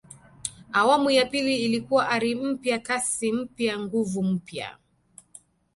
awamu ya pili ilikuwa ari mpya kasi mpya nguvu mpya